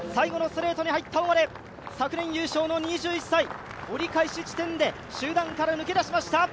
昨年優勝の２１歳折り返し地点で集団から抜け出しました。